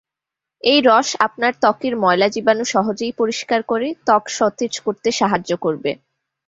এই রস আপনার ত্বকের ময়লা জীবাণু সহজেই পরিষ্কার করে ত্বক সতেজ করতে সাহায্য করবে।